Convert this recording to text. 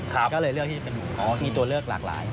ก็เลยเลือกที่จะเป็นอ๋อมีตัวเลือกหลากหลาย